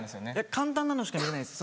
簡単なのしか見れないんです。